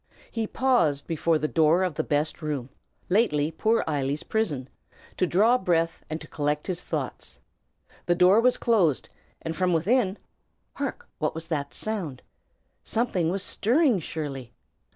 He paused before the door of the best room, lately poor Eily's prison, to draw breath and to collect his thoughts. The door was closed, and from within hark! what was that sound? Something was stirring, surely.